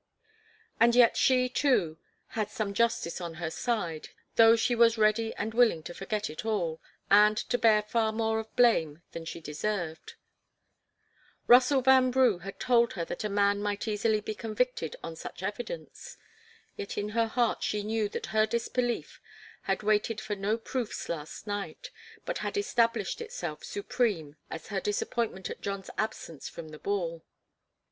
And yet she, too, had some justice on her side, though she was ready and willing to forget it all, and to bear far more of blame than she deserved. Russell Vanbrugh had told her that a man might easily be convicted on such evidence. Yet in her heart she knew that her disbelief had waited for no proofs last night, but had established itself supreme as her disappointment at John's absence from the ball.